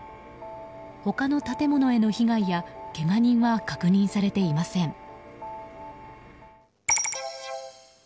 他の建物への被害やけが人は確認されていません。